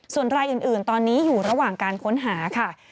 ส่วนรายอื่นตอนนี้อยู่ระหว่างการค้นหาค่ะ